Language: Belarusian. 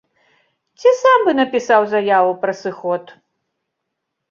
Ці сам бы напісаў заяву пра сыход.